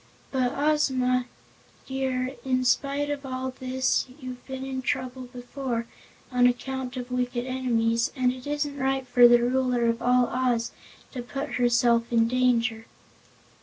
But, Ozma dear, in spite of all this you've been in trouble before, on account of wicked enemies, and it isn't right for the Ruler of all Oz to put herself in danger."